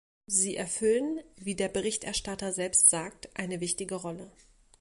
Sie erfüllen, wie der Berichterstatter selbst sagt, eine wichtige Rolle.